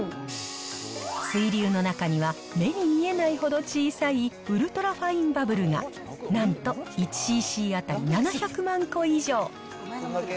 水流の中には、目に見えないほど小さいウルトラファインバブルが、なんと１ｃｃ当たり７００万個以上。